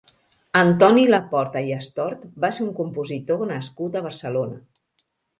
Antoni Laporta i Astort va ser un compositor nascut a Barcelona.